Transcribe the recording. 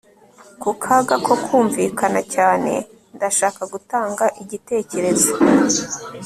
ku kaga ko kumvikana cyane, ndashaka gutanga igitekerezo